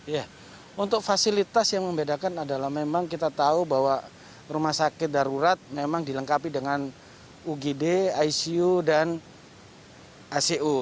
ya untuk fasilitas yang membedakan adalah memang kita tahu bahwa rumah sakit darurat memang dilengkapi dengan ugd icu dan acu